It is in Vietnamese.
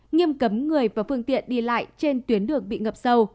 nghiêm cấm người và phương tiện đi lại trên tuyến đường bị ngập sâu